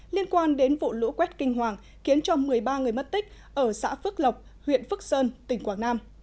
liên quan đến vụ lũ quét kinh hoàng khiến cho một mươi ba người mất tích ở xã phước lộc huyện phước sơn tỉnh quảng nam